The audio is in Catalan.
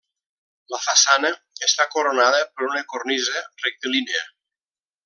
La façana està coronada per una cornisa rectilínia.